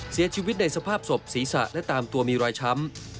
เสียชีวิตในสภาพศพศีรษะและตามตัวมีรอยช้ำ